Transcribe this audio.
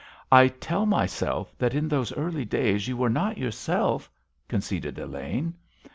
"I tell myself that, in those early days, you were not yourself," conceded Elaine.